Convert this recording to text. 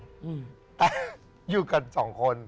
อืมอยู่กันสองคน